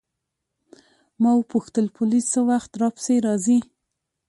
ما وپوښتل پولیس څه وخت راپسې راځي.